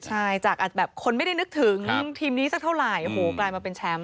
ใช่จากแบบคนไม่ได้นึกถึงทีมนี้สักเท่าไหร่โอ้โหกลายมาเป็นแชมป์